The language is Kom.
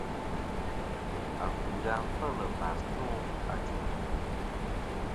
Afɨ-a fel mbas nô ajuŋ.